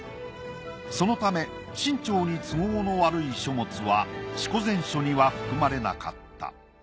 そのため清朝に都合の悪い書物は『四庫全書』には含まれなかった。